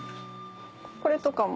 これとかも。